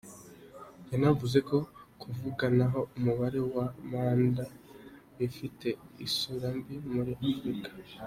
Yanavuze ko kuvanaho umubare wa manda bifite isura mbi muri Afurika.